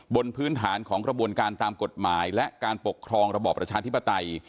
บนพื้นฐานของกระบวนการตามกฎหมายและการปกครองระบอบประชาธิปไตย